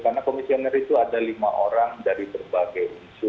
karena komisioner itu ada lima orang dari berbagai isu